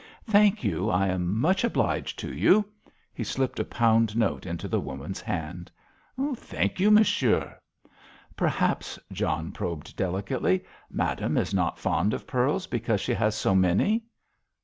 Thank you, I am much obliged to you." He slipped a pound note into the woman's hand. "Thank you, monsieur." "Perhaps," John probed delicately, "madame is not fond of pearls because she has so many?"